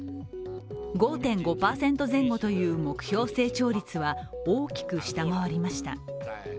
５．５％前後という目標成長率は大きく下回りました。